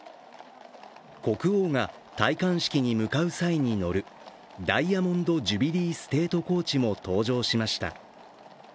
国王が戴冠式に向かう際に乗るダイヤモンド・ジュビリー・ステート・コーチも登場しました。